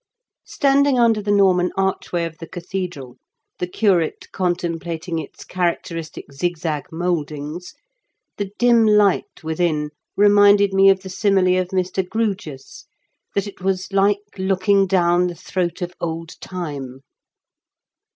Standing under the Norman archway of the cathedral, the curate contemplating its charac teristic zigzag mouldings, the dim light within reminded me of the simile of Mr. Grewgious, that it was like looking down the throat of old Time.